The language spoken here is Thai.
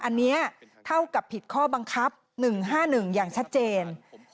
อันนี้เท่ากับผิดข้อบังคับ๑๕๑อย่างชัดเจน